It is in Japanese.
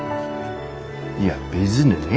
いや別にね